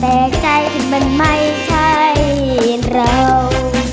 แต่ใจมันไม่ใช่เรา